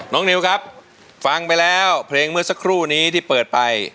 นิวครับฟังไปแล้วเพลงเมื่อสักครู่นี้ที่เปิดไป